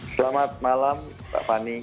selamat malam pak fani